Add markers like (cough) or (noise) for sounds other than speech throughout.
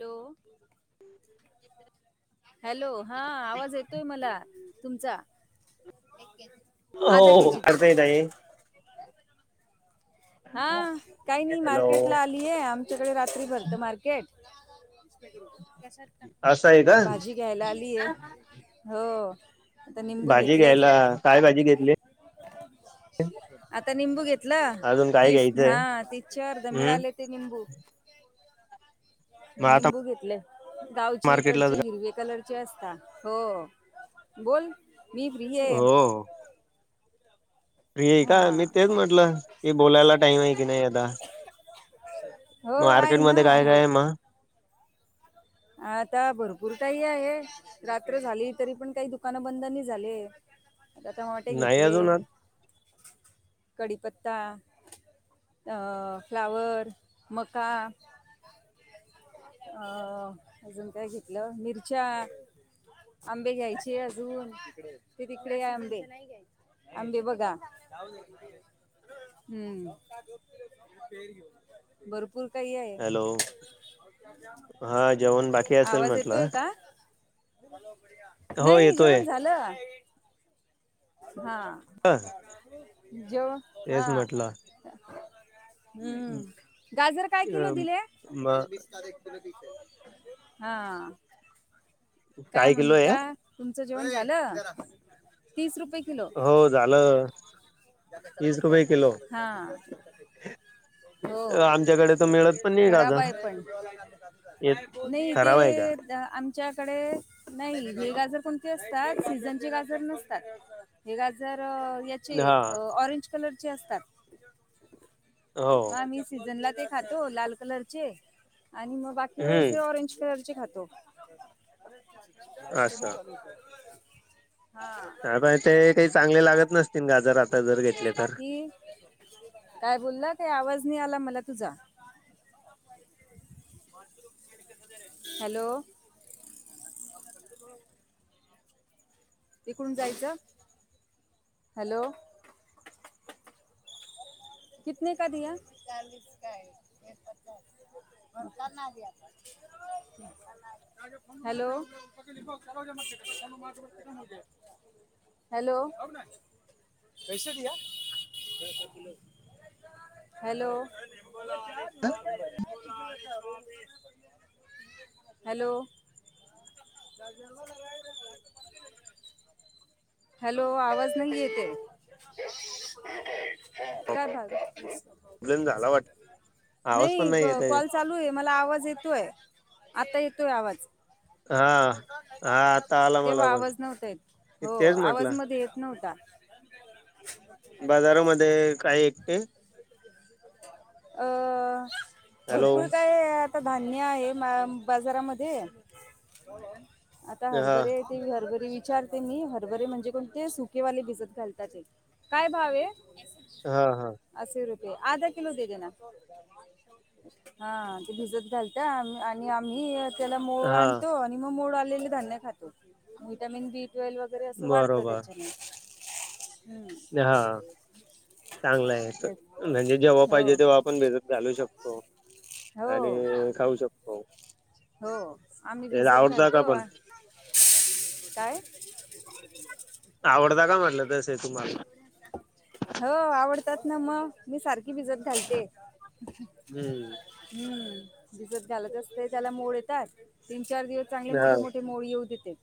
Hello (inaudible) hello, हा आवाज येतोय मला तुमचा. अध के जी दे्या ना (unintelligible) हा काही नाही मार्केट हॅलो ला आलीय, आमच्याकडे रात्री भरत मार्केट. असं आहे का कशाला, भाजी घ्यायला आलीय हो. निंबू भाजी घेतले घ्यायला, काय भाजी घेतली? आता निंबू घेतलं, अजून काय तीस घ्यायचंय हा तीस चे अर्धा हम्म मिळाले ते निंबू. मग आता निंबू घेतले, गावची मार्केटला इकडची हिरवे कलर चे असता, हो बोल मी फ्री आहे. हो फ्री आहे का, हा मी तेच म्हटलं की बोलायला टाइम आहे की नाही आता. हो आहे मार्केट ना मध्ये काय काय आहे मग? आता भरपूर काही आहे. रात्र झाली तरी पण काही दुकानं बंद नाही झाले. आता टोमॅटो नाही घेतले. अजून कडीपत्ता आ फ्लावर, मका अ अजून काय घेतलं, मिरच्या आंबे घ्यायचे अजून, ते तिकडे आहे आंबे. आंबे बघा हम्म. भरपूर काही आहे. हॅलो हा जेवण बाकी असेल आवाज म्हटलं? येतोय का हो नाही येतोय जेवण झालं. हा, ह जेवण हा तेच म्हटलं हम्म, गाजर काय किलो दिले? मग हा. काय किलो आहे म्हणता तुमचं जेवण झालं? तीस रुपये किलो. हो झालं. तीस रुपये किलो हा. हो आमच्याकडे तर मिळत पण नाही खराब गाजर आहे पण, येत नाही खराब आहे का ते- आमच्याकडे नाही हे गाजर कोणते असतात सीझनचे गाजर नसतात हे गाजर चे हा ऑरेंज कलर चे असतात. हो म आम्ही सीझनला ते खातो लाल कलरचे आणि मग बाकी वेळेस हम्म हेऑरेंज कलरचे खातो. असं हा. हा पण ते, ते चांगले लागत नसते. ति गजार आता जर घेतले तर बाकी काय बोलला काही आवाज नाही आला मला तुझा. (inaudible) हॅलो (inaudible) इकडून जायचं, (inaudible) हॅलो कितने का दिया? चालीस का हे (inaudible) (unintelligible) हॅलो हॅलो, कैसे दिया? हॅलो (unintelligible) हॅलो हॅलो आवाज नाही येत आहे, प्रॉब्लेम झाला (unintelligible) वाट (inaudible) आवाज पण नाही येत आहे कॉल चालू आहे मला आवाज येत तोय, आता येतोय आवाज. (inaudible) हा हा आता आला मला तेव्हा पण आवाज नव्हत येत मी हो तेच आवाज म्हटलं मध्ये येत नव्हता. बाजारामध्ये काय एकटे? (inaudible) अ हॅलो भरपूर काय आता धान्य आहे मा बाजारामध्ये, आता हा हरभरे ते हरभरी विचारते मी हरभरे म्हणजे कोणते सुकेवाले भिजत घालतात ते. काय भावये? हा हा असशी रुपये आधा किलो दे दे ना हा ते भिजत घालतेया आणि आम्ही त्याला मोड हा आणतो आणि मग मोड आलेले धान्य खातो विटामिन बी ट्वेल्व वगैरे असं वाढत बरोबर त्याच्याने हं. हा, चांगलं आहे. तेच. म्हणजे जेव्हा हो पाहिजे तेव्हा आपण भिजत घालू शकतो. आणि हो खाऊ शकतो. हो आम्ही ते भिजत आवडता घालतो का पण अ (inaudible) काय? आवडता का म्हटलं तसे तुम्हाला? हो आवडतात ना मग. मी सारखी भिजत घालते (inaudible) हम्म हम्म भिजत घालत असतेच. त्याला मोड येतात तीन चार दिवस चांगले हा मोठे मोठे मोड येऊ देते.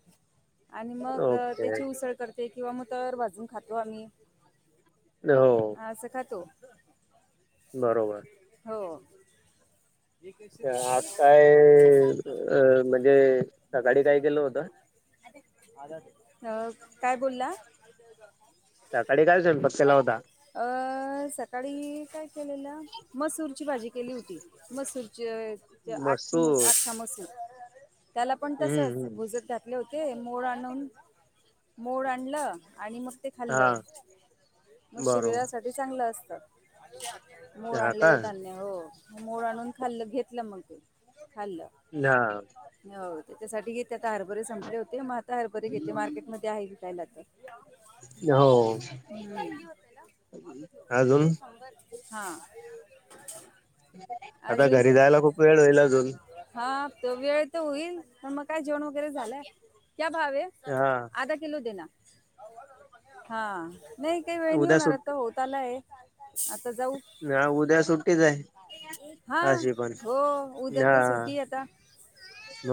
आणि मग ओके त्याची उसळ करते किंवा मग तरर भाजून खातो आम्ही. हो ह असं खातो बरोबर (inaudible) हो. (inaudible) (inaudible) आज काय अ म्हणजे सकाळी काय केलं होतं अ काय बोलला? सकाळी काय स्वयंपाक केला होता? अ सकाळी काय केलेलं मसूरची भाजी केली होती. मसूरचे अ आखी म मसूर आख्या मसुर त्याला पण हम्म तसच हम्म भुजत घात ले होते मोड आणून मोड आणलं आणि मग ते हा खाल्लं. मग बरोबर शरीरासाठी चांगलं असतं. मोड हा का आणलेलं धान्य हो. मोड आणून खाल्लं घेतलं मग ते खाल्लं. (unintelligible) हो त्याच्यासाठी घेते. आता हरभरे संपले होते, मग आता हरभरे घेते, मार्केटमध्ये आहे विकायला तर. हो. हम्म. अजून हा. आता अजून घरी जायला क- खूप वेळ होईल अजून? हा त वेळ तर होईल, पण मग काय जेवण वगैरे झालंय. हा (unintelligible) (unintelligible) हा नाही काही वेळ नाही उद्या होणार आता सुट होत आलंय आता जाऊ. हा उद्या सुट्टीच हा आहे अशी पण हो उद्या हा. तर सुट्टी आहे आता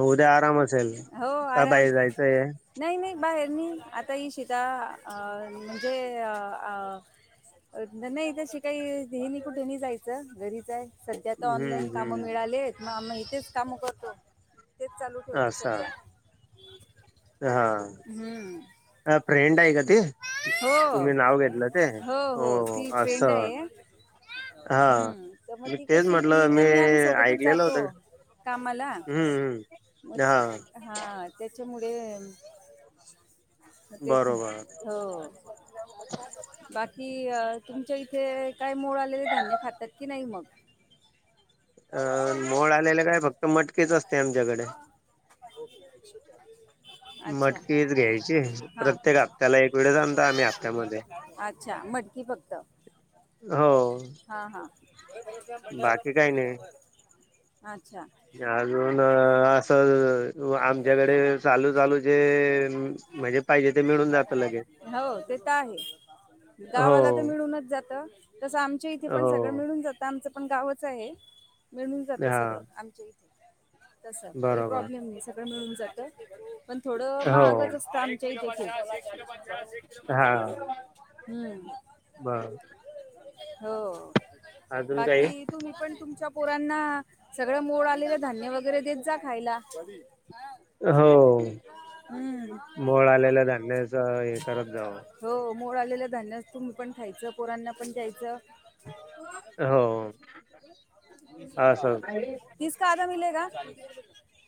उद्या आरामच. हो आराम. नाही नाही बाहेर नाही, आता ही शीता अ म्हणजे अ नाही तशी काही हे नाही कुठे नाही जायचं घरीच आहे. सध्या तर हम्म ऑनलाईन कामं मिळालीयत मग आम इथेच काम कर असं. हम्म. अ फ्रेंड आहे का ती? हो तुम्ही नाव घेतलं ते? हो हो ती फ्रेंड आहे असं. हा हम्म, तर मग मी ती तेच कशी ती म्हटलं न मी आम्ही सोबतच ऐकलेलं जातो. होतं कामाला हम्म हम्म म हा हा त्याच्यामुळे तेच बरोबर हो. बाकी तुमच्या इथे काय मोड आलेले धान्य खातात की नाही मग? अं मोड आलेले काय फक्त मटकीच असते आमच्याकडे. अच्छा मटकीच घ्यायची हा. प्रत्येक हप्त्याला एक वेळेस आणता आम्ही हप्त्यामध्ये अच्छा मटकी फक्त? हो. हां हां बाकी काही नाही अच्छा. अजून असं आमच्याकडे चालू चालू जे म्हणजे पाहिजे ते मिळून जात लगेच हो ते तर आहे, हो गावाला तर मिळूनच जातं. तसं आमच्या इथे पण हो सगळं मिळून जातं, आमचं पण गावच आहे. मिळून जातं हा सगळं आमच्या इथे, तसं काही बरोबर प्रॉब्लेम नाही, सगळं मिळून जातं. पण थोडं हो महागच असतं आमच्या इथे खूप. हा बर. हो अजून काही बाकी? तुम्ही पण तुमच्या पोरांना सगळं मोड आलेलं धान्य वगैरे देत जा खायला. हो हम्म मोड आलेलं धान्याचं हे करत जावं. हो मोड आलेलं धान्य तुम्ही पण खायचं, पोरांना पण द्यायचं. हो असं. (unintelligible) (unintelligible) (unintelligible) (unintelligible)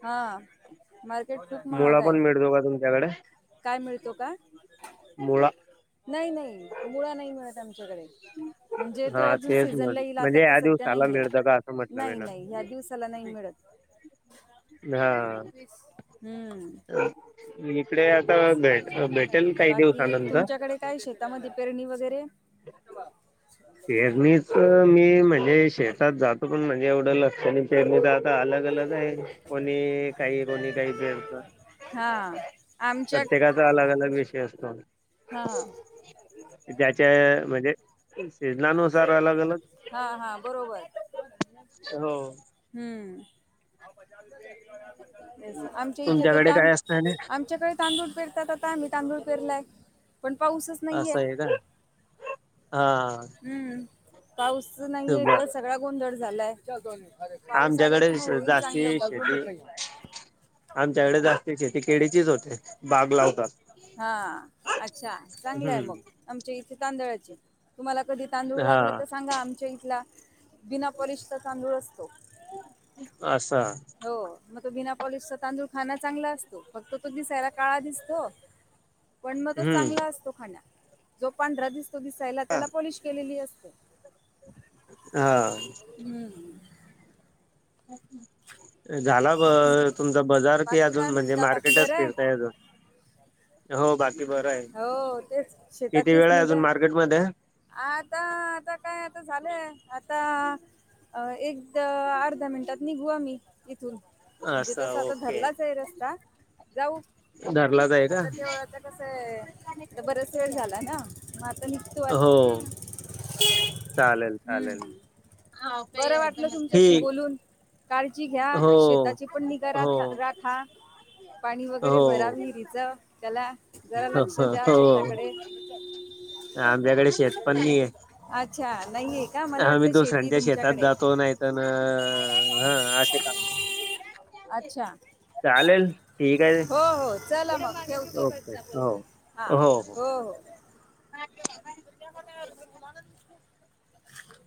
हा. मार्केट खूप महाग मुळा आहे, पण मिळतो का तुमच्याकडे? काय मिळतो का? मुळा नाही नाही मुळा नाही मिळत आमच्याकडे म्हणजे तो हा अजून तेच सीझनला म्हण येईल आता म्हणजे तर या सध्या दिवसाला नाही मिळतं आहे का असं म्हटलं मी नाही ना नाही ह्या दिवस ला नाही मिळत. हा. हम्म. म इकडे आता भेट भेटेल काही बाकी दिवसानंतर तुमच्याकडे काय शेतामध्ये पेरणी वगैरे (inaudible) पेरणीच मी म्हणजे शेतात जातो पण म्हणजे एवढं कोणी पेरणी तर आता अलग अलग आहे कोणी काही कोणी काही पेरत. हा आमच्या प्रत्येकाचा अलग अलग विषय असतो. हा ज्याच्या म्हणजे शेड्युल हा हा बरोबर. हो हम्म आमच्या इथे तर तुमच्याकडे काय असतं आणि तुमच्याकडे तांदूळ पेरतात, आम्ही तांदूळ पेरलाय. पण पाऊसच नाहीये असं आहे का हा. हम्म पाऊस नाहीे तर बर सगळा गोंधळ झालाय. पाऊस आला आमच्याकडे की मग होईल चांगलं जास्ती मग शेती आमच्याकडे जास्त शेती केळीचीच होते बाग लावतात. हा अच्छा चांगलं आहे मग हम्म आमच्या इथे तांदळाची तुम्हाला कधी तांदूळ हा लागला तर सांगा आमच्या इथला बीना पोलिशचा तांदूळ असतो. असा. हो मग तो बिना पॉलिश चा तांदूळ खाण चांगला असतो फक्त तो दिसायला काळा दिसतो पण मग तो हम्म चांगला असतो खाण्यात जो पांढरा दिसतो तो दिसायला त्याला पॉलिश केलेली असते. हा. हम्म. अच्छा (unintelligible) झाला ब तेच. तुमचा बजार कि बाकी काय अजून म्हणजे म्हणता बाकी मार्केटच बरं आहे फिरताय अजून. हो बाकी बरं आहे. हो तेच किती शेताचीच वेळ आहे अजून निगा. मार्केटमध्ये आता आता काय आता झालंय आता अ एक द अर्ध्या मिनिटात निघू आम्ही इथून म्हणजे असं तस आता ओके धरलाच आहे रस्ता जाऊ धरलाच आहे का आता देवळाचं कस बराच वेळ झाला ना मग आता निघतो हो आहे. चालेल चालेल. हम्म. बरं वाटलं तुमच्याशी ठीक बोलून. कालची घ्या हो शेताची पण निगा हो राथा राखा. पाणी वगैरे हो भरा विहिरीचं त्याला जरा हो लक्ष हो द्या शेताकडे. हो आमच्याकडे शेत पण अच्छा नही हा मी दुसऱ्यांच्या शेतात जातो नाही तन हा असे का अच्छा, ठीक आहे हो हो चला मग ठेवते. ओके हो हां हो हो. (unintelligible)